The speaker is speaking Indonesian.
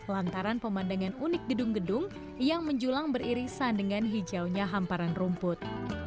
lantaran pemandangan unik gedung gedung yang menjulang beririsan dengan hijaunya hamparan rumput